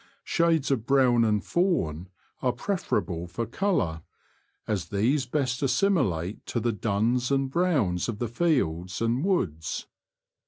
Shades of brown and fawn are preferable for colour, as these best assimilate to the duns and browns of the fields and woods.